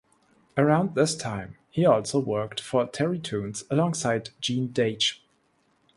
Around this same time he also worked for Terrytoons alongside Gene Deitch.